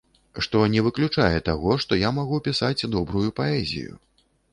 Што не выключае таго, што я магу пісаць добрую паэзію.